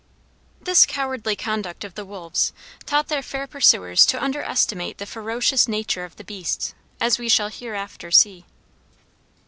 This cowardly conduct of the wolves taught their fair pursuers to underestimate the ferocious nature of the beasts, as we shall hereafter see.